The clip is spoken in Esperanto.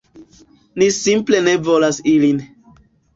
Ni simple ne volas ilin.